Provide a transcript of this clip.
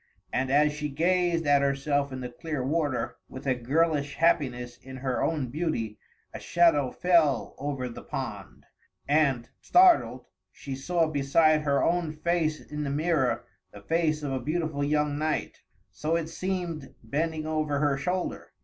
And, as she gazed at herself in the clear water, with a girlish happiness in her own beauty, a shadow fell over the pond; and, startled, she saw beside her own face in the mirror the face of a beautiful young knight, so it seemed, bending over her shoulder.